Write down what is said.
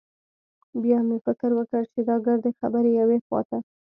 بيا مې فکر وکړ چې دا ګردې خبرې يوې خوا ته.